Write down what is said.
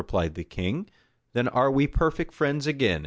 replied the king, "then are we perfect friends again."